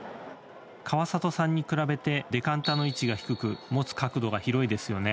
川里さんに比べてデカンタの位置が低く持つ角度が広いですよね。